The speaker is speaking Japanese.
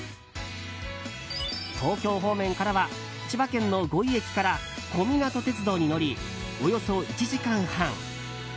東京方面からは千葉県の五井駅から小湊鐵道に乗り、およそ１時間半。